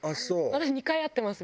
私２回会ってます！